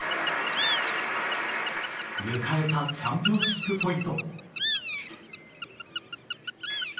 迎えたチャンピオンシップポイント。